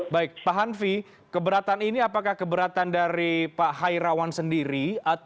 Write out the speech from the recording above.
baik pak hanfi keberatan ini apakah keberatan dari pak hairawan sendiri